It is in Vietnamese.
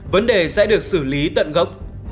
vấn đề sẽ được xử lý tận gốc